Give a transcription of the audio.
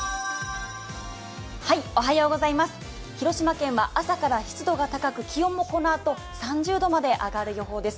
広島県は朝から湿度が高く気温もこのあと３０度まで上がる予報です。